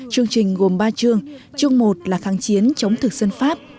chương trình gồm ba trường trường một là kháng chiến chống thực dân pháp